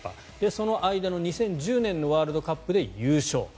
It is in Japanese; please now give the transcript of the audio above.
その間の２０１０年のワールドカップで優勝。